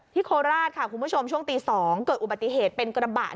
โคราชค่ะคุณผู้ชมช่วงตี๒เกิดอุบัติเหตุเป็นกระบะ